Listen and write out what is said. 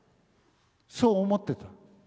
そう思ってた。